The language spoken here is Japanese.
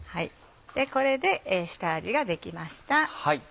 これで下味ができました。